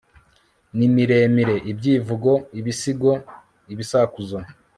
n'imiremire, ibyivugo, ibisigo, ibisakuzo